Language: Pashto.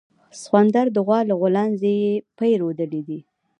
سخوندر د غوا له غولانځې پی رودلي دي